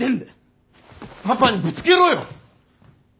パパにぶつけろよ！